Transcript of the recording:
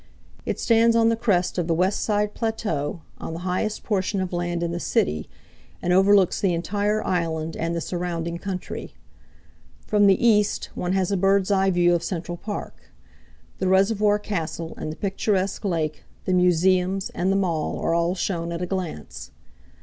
It stands on the crest of the West Side Plateau, on the highest portion of land in the city, and overlooks the entire island and the surrounding country. From the east one has a bird's eye view of Central Park. The reservoir castle and the picturesque lake, the museums, and the mall are all shown at a glance.